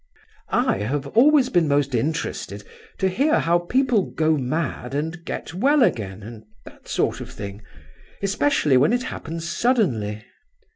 "I have always been most interested to hear how people go mad and get well again, and that sort of thing. Especially when it happens suddenly."